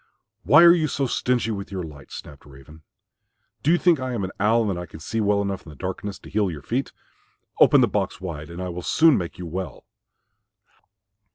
"Why are you so stingy with your light?" snapped Raven. "Do you think I am an owl and that I can see well enough in the darkness to heal your feet? Open the box wide and I will soon make you well."